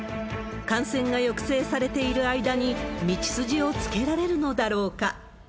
感染が抑制されている間に道筋をつけられるのだろうか。